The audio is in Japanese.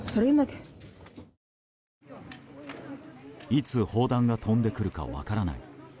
いつ砲弾が飛んでくるか分からない。